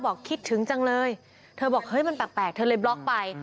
คิดถึงจังเลยเธอบอกเฮ้ยมันแปลกเธอเลยบล็อกไป